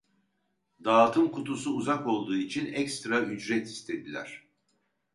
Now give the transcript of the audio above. Dağıtım kutusu uzak olduğu için ekstra ücret istediler